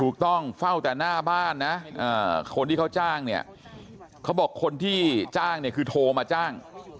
เฝ้าแต่หน้าบ้านนะคนที่เขาจ้างเนี่ยเขาบอกคนที่จ้างเนี่ยคือโทรมาจ้าง